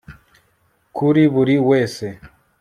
kuri buri wese